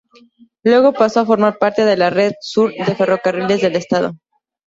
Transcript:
Luego pasó a formar parte de la red Sur de Ferrocarriles del Estado.